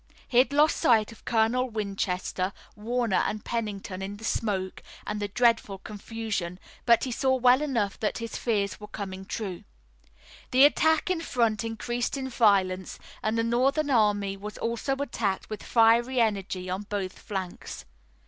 He had lost sight of Colonel Winchester, Warner and Pennington in the smoke and the dreadful confusion, but he saw well enough that his fears were coming true. The attack in front increased in violence, and the Northern army was also attacked with fiery energy on both flanks.